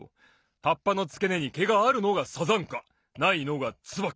はっぱのつけねにけがあるのがサザンカ！ないのがツバキ！